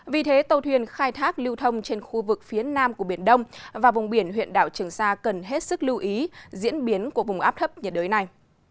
vì thế tàu thuyền khai thác lưu thông trên khu vực phía nam của biển đông và vùng biển huyện đảo trường sa cần hết sức lưu ý diễn biến của vùng áp thấp nhiệt đới này